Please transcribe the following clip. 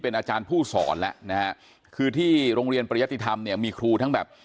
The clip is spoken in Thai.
อาจารย์ผู้สอนแล้วนะฮะคือที่โรงเรียนปริยติธรรมเนี่ยมีครูทั้งแบบ